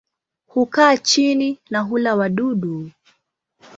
Hukaa chini na hula wadudu.